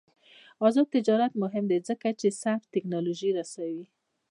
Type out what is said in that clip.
آزاد تجارت مهم دی ځکه چې سبز تکنالوژي رسوي.